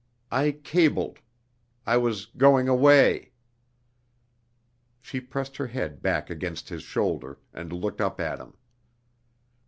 I cabled. I was going away " She pressed her head back against his shoulder, and looked up at him.